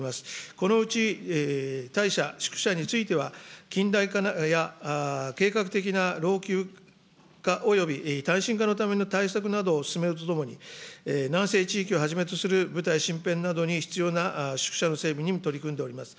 このうち、隊舎、宿舎については、近代化や計画的な老朽化および耐震化のための対策などを進めるとともに、南西地域をはじめとする部隊身辺などに必要な宿舎の整備に取り組んでおります。